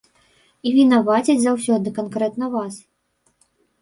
І вінавацяць заўсёды канкрэтна вас.